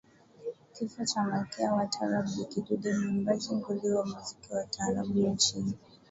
kifo cha malkia wa Taarab Bi Kidude Mwimbaji nguli wa muziki wa tarabu nchini